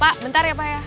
pak bentar ya pak ya